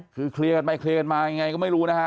คือเคลียร์กันไปเคลียร์กันมายังไงก็ไม่รู้นะฮะ